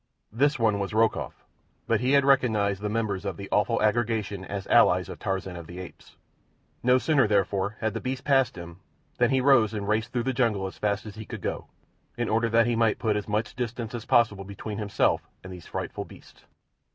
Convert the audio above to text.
This one was Rokoff; but he had recognized the members of the awful aggregation as allies of Tarzan of the Apes. No sooner, therefore, had the beasts passed him than he rose and raced through the jungle as fast as he could go, in order that he might put as much distance as possible between himself and these frightful beasts.